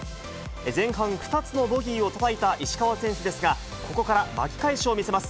前半、２つのボギーをたたいた石川選手ですが、ここから巻き返しを見せます。